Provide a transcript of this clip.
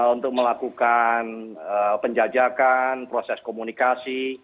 untuk melakukan penjajakan proses komunikasi